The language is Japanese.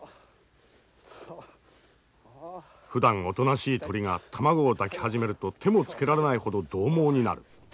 ふだんおとなしい鳥が卵を抱き始めると手もつけられないほどどう猛になる。